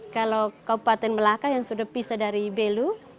kalau kabupaten melaka yang sudah pisah dari belu